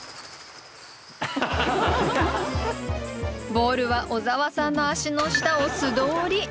ボールは小沢さんの足の下を素通り。